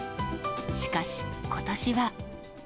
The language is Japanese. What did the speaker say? しかし、ことしは。